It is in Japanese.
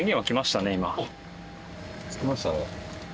つきましたね。